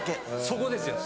そこですよ